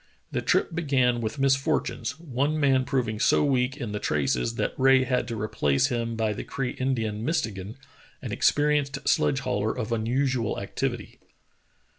The trip began with misfortunes, one man proving so weak in the traces that Rae had to replace him by the Cree Indian, Mistegan, an experienced sledge hauler of unusual activity.